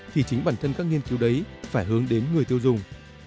thì chính bản thân các nghiên cứu đấy phải hướng đến người tiêu dùng